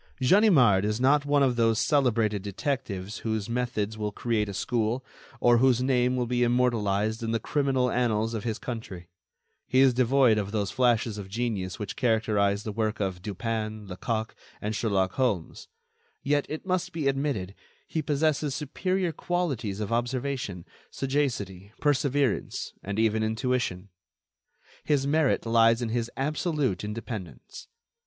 Ganimard is not one of those celebrated detectives whose methods will create a school, or whose name will be immortalized in the criminal annals of his country. He is devoid of those flashes of genius which characterize the work of Dupin, Lecoq and Sherlock Holmes. Yet, it must be admitted, he possesses superior qualities of observation, sagacity, perseverance and even intuition. His merit lies in his absolute independence.